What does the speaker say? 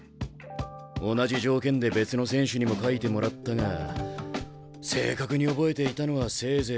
同じ条件で別の選手にも書いてもらったが正確に覚えていたのはせいぜい２３人。